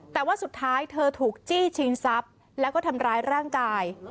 แต่ว่าสุดท้ายเธอถูกจี้ชิงทรัพย์แล้วก็ทำร้ายร่างกาย